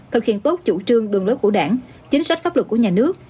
thực hiện tốt chủ trương đường lối của đảng chính sách pháp luật của nhà nước